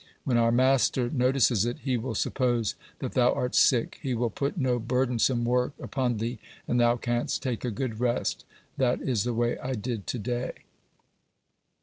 When our master notices it, he will suppose that thou art sick. He will put no burdensome work upon thee, and thou canst take a good rest. That is the way I did to day."